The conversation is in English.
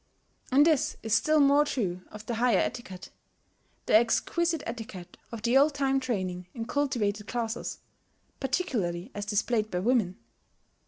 And this is still more true of the higher etiquette, the exquisite etiquette of the old time training in cultivated classes, particularly as displayed by women.